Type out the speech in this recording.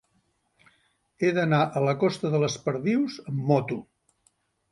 He d'anar a la costa de les Perdius amb moto.